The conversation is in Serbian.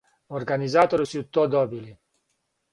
Организатори су то одбили.